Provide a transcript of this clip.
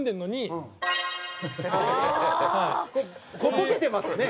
ボケてますね。